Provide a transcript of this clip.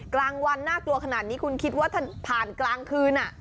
กลางวันน่ากลัวขนาดนี้คุณคิดว่าถ้าผ่านกลางคืน